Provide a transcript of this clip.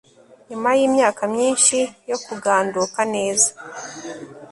nyuma yimyaka myinshi yo kuganduka neza